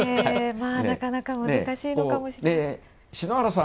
なかなか難しいのかもしれません。